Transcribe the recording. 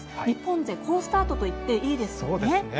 日本勢、好スタートと言っていいですね。